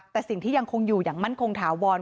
แต่สิ่งที่ยังคงอยู่อย่างมั่นคงถาวร